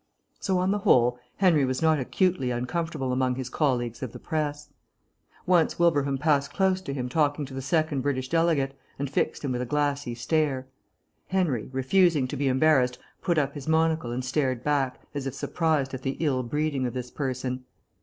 So, on the whole, Henry was not acutely uncomfortable among his colleagues of the press. Once Wilbraham passed close to him talking to the second British delegate, and fixed him with a glassy stare. Henry, refusing to be embarrassed, put up his monocle and stared back, as if surprised at the ill breeding of this person.